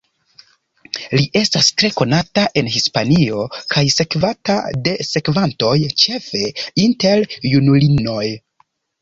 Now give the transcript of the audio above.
Li estas tre konata en Hispanio kaj sekvata de sekvantoj ĉefe inter junulinoj.